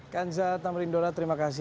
kanjah tamrindola terima kasih